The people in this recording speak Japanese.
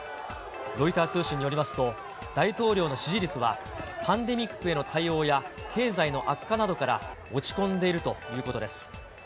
ロイター通信によりますと、大統領の支持率は、パンデミックへの対応や、経済の悪化などから落ち込んでいるということです。